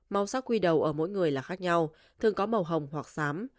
màu sắc quy đầu ở mỗi người là khác nhau thường có màu hồng hoặc sám